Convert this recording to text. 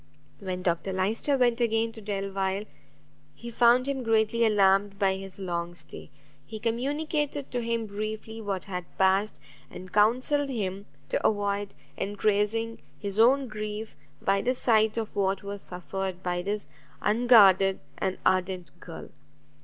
When Dr Lyster went again to Delvile, he found him greatly alarmed by his long stay; he communicated to him briefly what had passed, and counselled him to avoid encreasing his own grief by the sight of what was suffered by this unguarded and ardent girl.